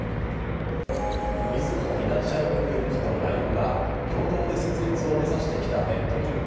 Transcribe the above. みずほフィナンシャルグループとＬＩＮＥは共同で設立を目指してきたネット銀行